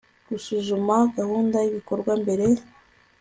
gusuzuma gahunda y ibikorwa mbere